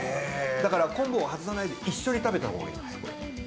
だから昆布を外さないで一緒に食べたほうがいい。